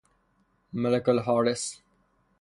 ملک الحارس